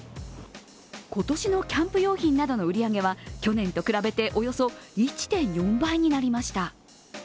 今年のキャンプ用品などの売り上げは去年と比べておよそ１．４倍になりました。